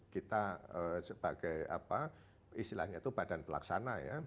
kita sebagai apa istilahnya itu badan pelaksana ya